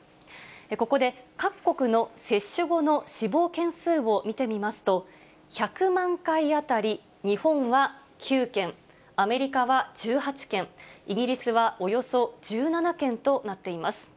ここで各国の接種後の死亡件数を見てみますと、１００万回当たり日本は９件、アメリカは１８件、イギリスはおよそ１７件となっています。